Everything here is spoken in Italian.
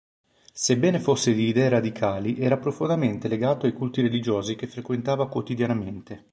Sebbene fosse di idee radicali era profondamente legato ai culti religiosi che frequentava quotidianamente.